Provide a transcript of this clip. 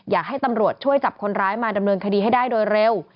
อยากให้ตำรวจช่วยจับคนร้ายมาดำเนินคดีให้ได้โดยเร็ว